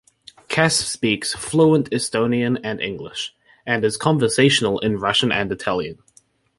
Kass speaks fluent Estonian and English, and is conversational in Russian and Italian.